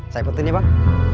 saya penting ya bang